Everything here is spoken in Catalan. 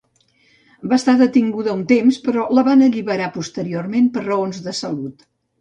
Va estar detinguda un temps però la van alliberar posteriorment per raons de salut.